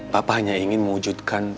papa hanya ingin mewujudkan